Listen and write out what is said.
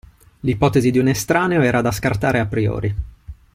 L'ipotesi di un estraneo era da scartare a priori.